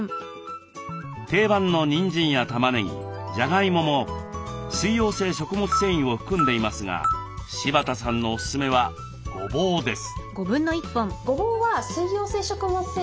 定番のにんじんやたまねぎじゃがいもも水溶性食物繊維を含んでいますが柴田さんのおすすめはごぼうです。